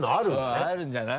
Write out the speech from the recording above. うんあるんじゃない？